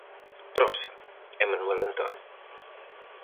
Prosa, e Manuel Antonio.